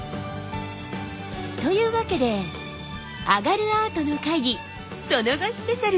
というわけで「あがるアートの会議」その後スペシャル！